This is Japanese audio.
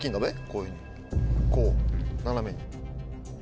こういうふうにこう斜めに。